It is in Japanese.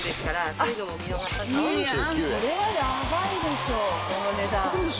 これはヤバいでしょこの値段。